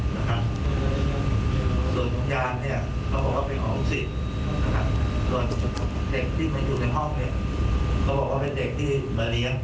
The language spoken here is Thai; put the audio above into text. ส่วนวิญญาณเนี่ยเขาบอกว่าเป็นของสิทธิ์นะครับส่วนเด็กที่มาอยู่ในห้องเนี่ยเขาบอกว่าเป็นเด็กที่มาเลี้ยง